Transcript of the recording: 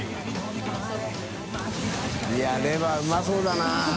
い筺舛レバーうまそうだな。